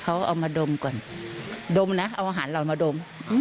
เขาเอามาดมก่อนดมนะเอาอาหารเรามาดม